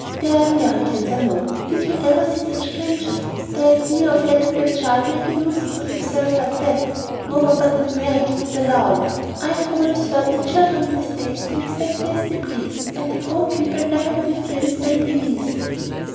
"They are Americans, I know! Did you ever see such creatures? The idea of letting that child make a nuisance of himself like that! No one but an American would allow it. I've always heard that children in the States do exactly as they please, and the grown people never interfere with them in the least."